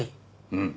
うん。